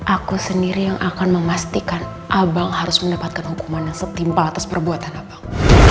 aku sendiri yang akan memastikan abang harus mendapatkan hukuman yang setimpal atas perbuatan abang